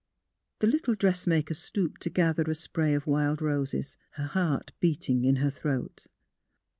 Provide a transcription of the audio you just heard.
The lit tle dressmaker stooped to gather a spray of wild roses, her heart beating in her throat.